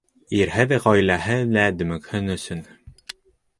Ирһеҙ ғаиләһе лә дөмөкһөн өсөн.